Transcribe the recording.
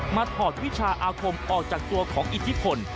ถอดวิชาอาคมออกจากตัวของอิทธิพล